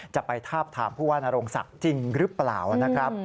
จะไปทาบทามผู้ว่านโรงศักดิ์จริงหรือเปล่านะครับ